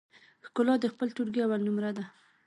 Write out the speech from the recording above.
ښکلا د خپل ټولګي اول نمره ده